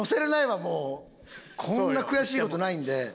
もうこんな悔しい事ないんで。